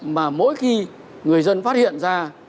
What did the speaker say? mà mỗi khi người dân phát hiện ra